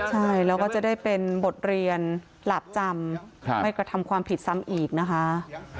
ใช่แล้วก็จะได้เป็นบทเรียนหลาบจำไม่กระทำความผิดซ้ำอีกนะคะ